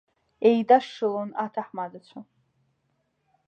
Еидашшылон аҭаҳмадцәа.